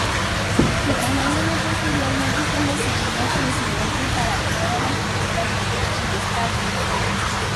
Su tamaño posteriormente establecería el precedente para todas las futuras variantes de Sparrow.